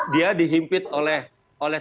dia dihimpit oleh